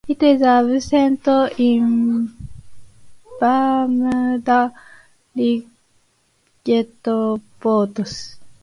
It is absent in Bermuda rigged boats.